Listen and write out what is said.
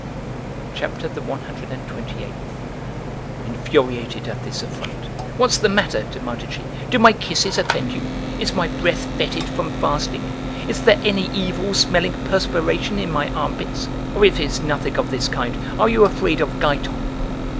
CHAPTER THE ONE HUNDRED AND TWENTY EIGHT. (Infuriated at this affront,) "What's the matter," demanded she; "do my kisses offend you? Is my breath fetid from fasting? Is there any evil smelling perspiration in my armpits? Or, if it's nothing of this kind, are you afraid of Giton?"